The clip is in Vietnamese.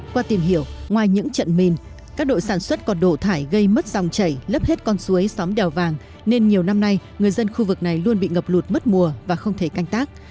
qua tìm hiểu ngoài những trận mìn các đội sản xuất còn đổ thải gây mất dòng chảy lấp hết con suối xóm đèo vàng nên nhiều năm nay người dân khu vực này luôn bị ngập lụt mất mùa và không thể canh tác